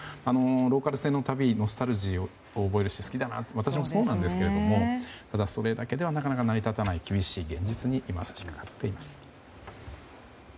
ローカル線の旅にノスタルジーを覚えるし好きだなという方私もそうなんですけどそれだけではなかなか成り立たない厳しい現実に今、差し向かっています。